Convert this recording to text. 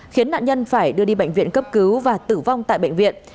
khiến nạn nhân phải đưa đi bệnh viện cấp cứu và tử vong tại bệnh viện